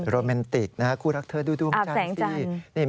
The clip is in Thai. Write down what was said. โรแมนติกคู่รักเธอดูดวงจันทร์ดี